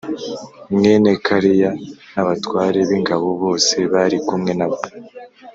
mwene Kareya n abatware b ingabo bose bari kumwe na we